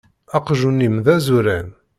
Aqjun-im d azuran.